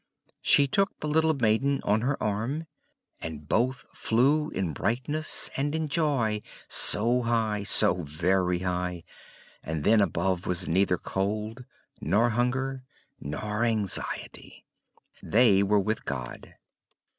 She took the little maiden, on her arm, and both flew in brightness and in joy so high, so very high, and then above was neither cold, nor hunger, nor anxiety they were with God.